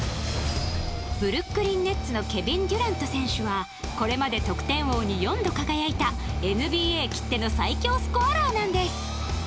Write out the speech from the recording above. ブルックリン・ネッツのケビン・デュラント選手はこれまで得点王に４度輝いたＮＢＡきっての最強スコアラーなんです